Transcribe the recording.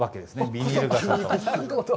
ビニール傘の。